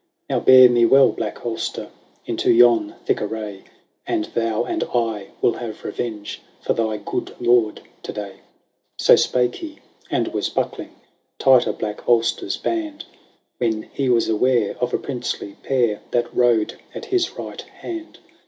" Now bear me well, black Auster, Into yon thick array ; And thou and I will have revenge For thy good lord this day." XXXII. So spake he ; and was buckling Tighter black Auster's band, When he was aware of a princely pair That rode at his right hand.